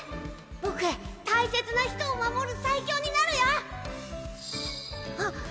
ボク大切な人を守る最強になあっ！